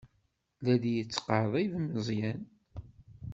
La d-yettqerrib Meẓyan.